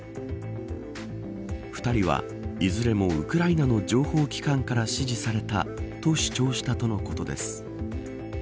２人は、いずれもウクライナの情報機関から指示されたと主張したとのことです。